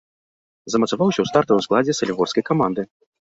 Замацаваўся ў стартавым складзе салігорскай каманды.